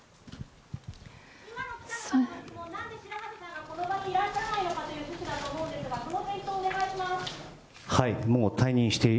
今の記者の方の質問、なぜ白波瀬さんが、この場にいらっしゃらないのかという趣旨だと思うんですが、その返答をお願いします。